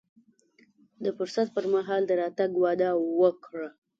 د فرصت پر مهال د راتګ وعده وکړه.